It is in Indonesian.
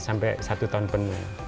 sampai satu tahun penuh